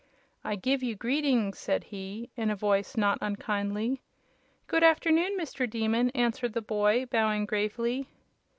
"I give you greetings!" said he, in a voice not unkindly. "Good afternoon, Mr. Demon," answered the boy, bowing gravely.